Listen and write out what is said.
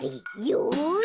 よし。